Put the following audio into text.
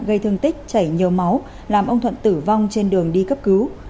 gây thương tích chảy nhiều máu làm ông thuận tử vong trên đường đi cấp cứu